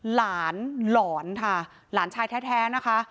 หลอนค่ะหลานชายแท้นะคะ